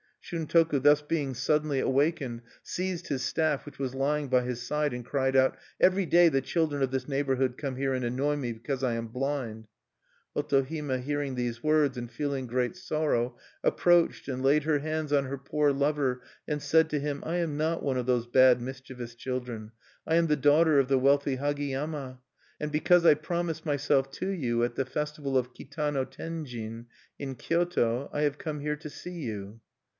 (1)" Shuntoku, thus being suddenly awakened, seized his staff, which was lying by his side, and cried out, "Every day the children of this neighborhood come here and annoy me, because I am blind!" Otohime hearing these words, and feeling great sorrow, approached and laid her hands on her poor lover, and said to him: "I am not one of those bad, mischievous children; I am the daughter of the wealthy Hagiyama. And because I promised myself to you at the festival of Kitano Tenjin in Kyoto, I have come here to see you."